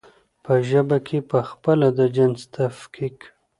په ژبه کې پخپله د جنس تفکيک